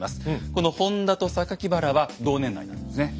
この本多と原は同年代なんですね。